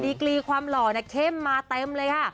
ดีกรีความหล่อเข้มมาเต็มเลยค่ะ